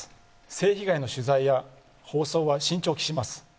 性被害の取材や放送は慎重を期します。